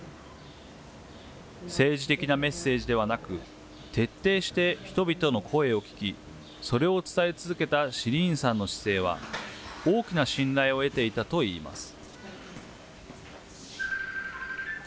政治的なメッセージではなく、徹底して人々の声を聞き、それを伝え続けたシリーンさんの姿勢は、大きな信頼を得ていたといいます。